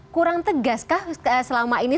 kurang tegas kah selama ini